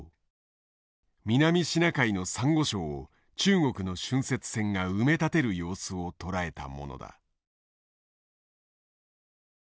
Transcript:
南シナ海のサンゴ礁を中国の浚渫船が埋め立てる様子を捉えたものだ。